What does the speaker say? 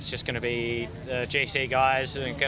saya tidak tahu apa yang harus saya harapkan